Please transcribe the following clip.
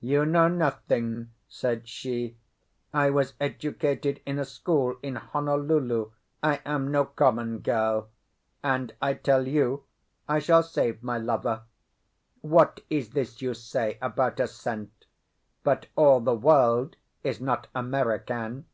"You know nothing," said she. "I was educated in a school in Honolulu; I am no common girl. And I tell you, I shall save my lover. What is this you say about a cent? But all the world is not American.